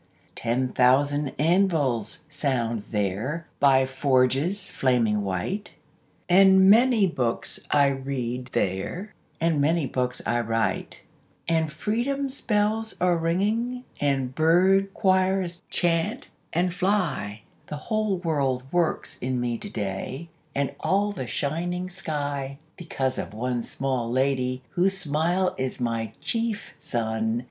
Ten thousand anvils sound there By forges flaming white, And many books I read there, And many books I write; And freedom's bells are ringing, And bird choirs chant and fly The whole world works in me to day And all the shining sky, Because of one small lady Whose smile is my chief sun.